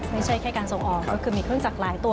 ไม่ใช่แค่การส่งออกก็คือมีเครื่องจักรหลายตัว